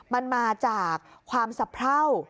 มันมาจากความสะเพรา